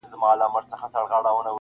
نیمايی ډوډۍ یې نه وه لا خوړلې -